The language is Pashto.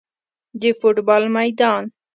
د فوټبال میدان